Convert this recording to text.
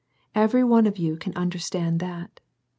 Every one of you can understand that.